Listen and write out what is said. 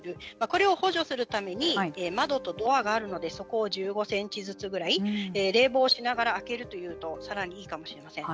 これを補助するために窓とドアがあるのでそこを１５センチずつぐらい冷房をしながら開けるというとさらにいいかもしれません。